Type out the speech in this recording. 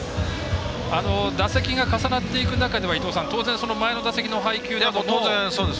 打席が重なっていく中では当然、前の打席の配球なども。